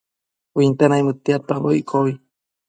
Uinte naimëdtiadpambo iccobi